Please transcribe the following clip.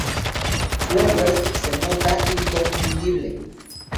Flowers se nota inconfundible".